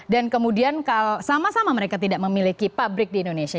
dan kemudian sama sama mereka tidak memiliki pabrik di indonesia